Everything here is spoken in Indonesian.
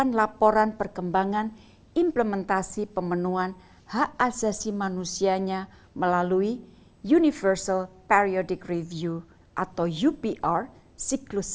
menyampaikan laporan perkembangan implementasi pemenuhan hak asasi manusianya melalui universal periodic review atau upr siklus yang ke empat